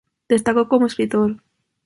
Destacó como escritor.